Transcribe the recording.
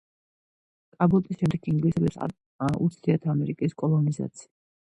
კაბოტის შემდეგ ინგლისელებს არ უცდიათ ამერიკის კოლონიზაცია.